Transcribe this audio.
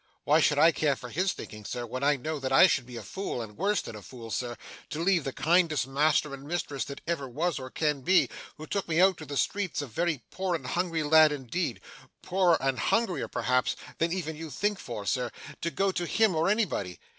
why should I care for his thinking, sir, when I know that I should be a fool, and worse than a fool, sir, to leave the kindest master and mistress that ever was or can be, who took me out of the streets a very poor and hungry lad indeed poorer and hungrier perhaps than even you think for, sir to go to him or anybody?